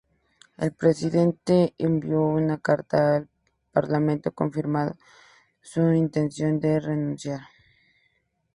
El presidente envió una carta al parlamento confirmando su intención de renunciar.